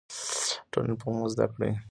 ټولنپوهنه زده کړئ.